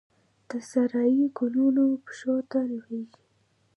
د سارايي ګلونو پښو ته لویږې